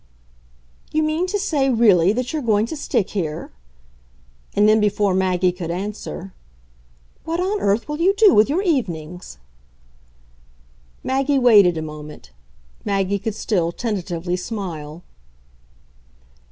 "You mean to say really that you're going to stick here?" And then before Maggie could answer: "What on earth will you do with your evenings?" Maggie waited a moment Maggie could still tentatively smile.